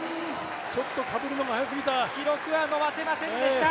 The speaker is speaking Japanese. ちょっとかぶるのが早すぎた。